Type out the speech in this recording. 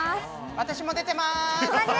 私も出てます。